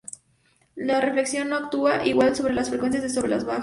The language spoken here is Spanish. La reflexión no actúa igual sobre las altas frecuencias que sobre las bajas.